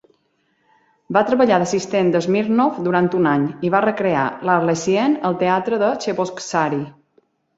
Va treballar d'assistent de Smirnov durant un any i va recrear "L'Arlésienne" al teatre de Cheboksary.